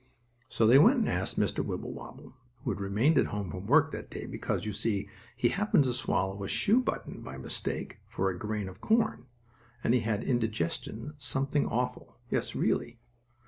So they went and asked Mr. Wibblewobble, who had remained at home from work that day, because, you see, he happened to swallow a shoe button by mistake for a grain of corn, and he had indigestion something awful; yes, really.